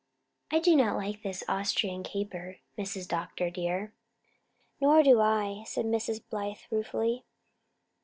I do not like this Austrian caper, Mrs. Dr. dear." "Nor I," said Mrs. Blythe ruefully.